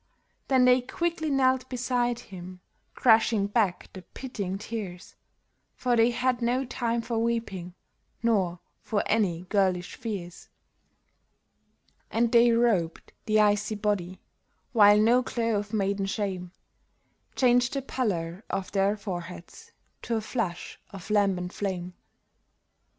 Then they quickly knelt beside him, crushing back the pitying tears, For they had no time for weeping, nor for any girlish fears. And they robed the icy body, while no glow of maiden shame Changed the pallor of their foreheads to a flush of lambent flame.